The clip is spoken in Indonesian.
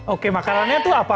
oke makannya tuh apa